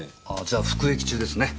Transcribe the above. じゃあ服役中ですね。